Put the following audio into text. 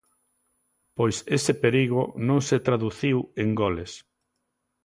Pois ese perigo non se traduciu en goles.